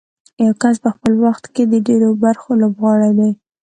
یو کس په خپل وخت کې د ډېرو برخو لوبغاړی دی.